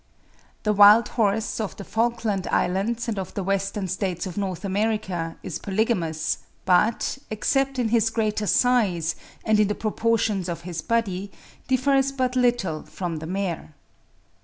The wild horse of the Falkland Islands and of the Western States of N. America is polygamous, but, except in his greater size and in the proportions of his body, differs but little from the mare.